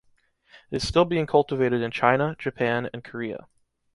It is still being cultivated in China, Japan and Korea.